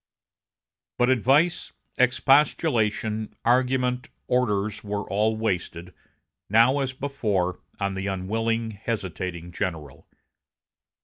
But advice, expostulation, argument, orders, were all wasted, now as before, on the unwilling, hesitating general.